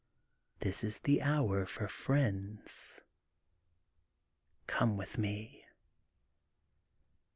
This is the hour for friends. Come with me.